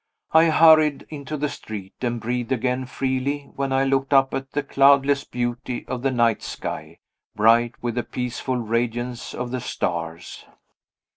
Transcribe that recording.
I hurried into the street, and breathed again freely, when I looked up at the cloudless beauty of the night sky, bright with the peaceful radiance of the stars.